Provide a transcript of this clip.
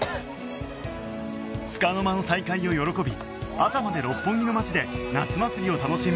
つかの間の再会を喜び朝まで六本木の街で夏祭りを楽しむ２人